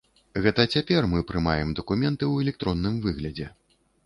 Гэта цяпер мы прымаем дакументы ў электронным выглядзе.